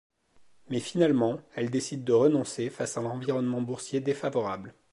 Mais finalement, elle décide de renoncer face à l'environnement boursier défavorable.